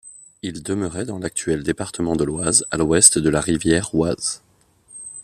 Ils demeuraient dans l’actuel département de l'Oise à l’ouest de la rivière Oise.